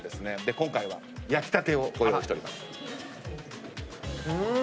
今回は焼きたてをご用意しております。